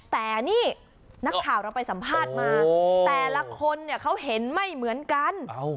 แต่นี่นักข่าวเราไปสัมภาษณ์มาแต่ละคนเนี่ยเขาเห็นไม่เหมือนกัน